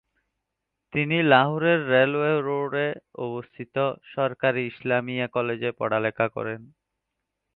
তিনি লাহোরের রেলওয়ে রোডে অবস্থিত, সরকারী ইসলামিয়া কলেজে লেখাপড়া করেন।